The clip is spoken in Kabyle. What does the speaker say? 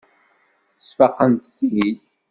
Sfaqent-t-id.